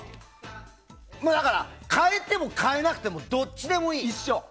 変えても変えなくてもどっちでもいい。